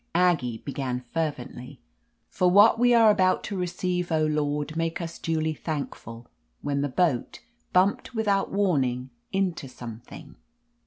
Aggie began fervently, "For what we are about to receive, O Lord, make us duly thank ful," when the boat bumped without warning into something.